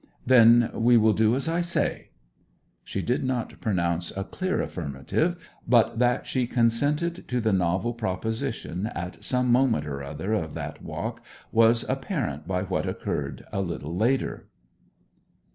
'Then we will do as I say.' She did not pronounce a clear affirmative. But that she consented to the novel proposition at some moment or other of that walk was apparent by what occurred a little later.